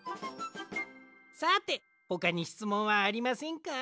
さてほかにしつもんはありませんか？